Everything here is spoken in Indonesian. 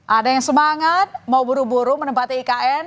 ada yang semangat mau buru buru menempati ikn